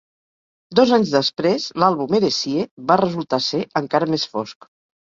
Dos anys després, l'àlbum "Heresie" va resultar ser encara més fosc.